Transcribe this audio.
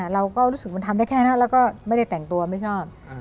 เราก็รู้สึกมันทำได้แค่นั้นแล้วก็ไม่ได้แต่งตัวไม่ชอบ